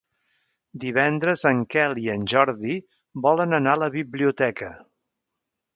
Divendres en Quel i en Jordi volen anar a la biblioteca.